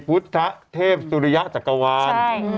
พุทธท่าเทพสุรยะจัทกวาน